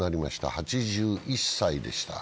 ８１歳でした。